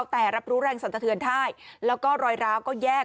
แต่รับรู้แรงสันสะเทือนได้แล้วก็รอยร้าวก็แยก